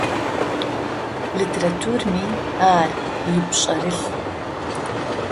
Литературэми ар ипшъэрылъ.